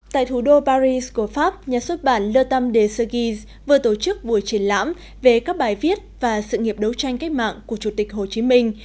tại thủ đô paris của pháp nhà xuất bản le tam de sergis vừa tổ chức buổi triển lãm về các bài viết và sự nghiệp đấu tranh cách mạng của chủ tịch hồ chí minh